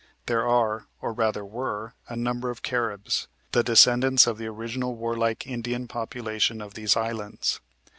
There are, or rather were, a number of Caribs, the descendants of the original warlike Indian population of these islands.